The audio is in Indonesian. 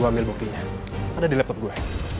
gua ambil buktinya ada di laptop gua